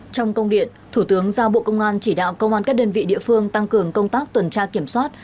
trong công điện thủ tướng giao bộ công an chỉ đạo công an các đơn vị địa phương tăng cường công tác tuần tra kiểm soát